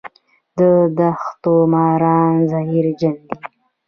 د دښتو ماران زهرجن دي